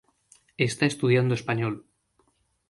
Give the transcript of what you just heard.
Está estudiando español.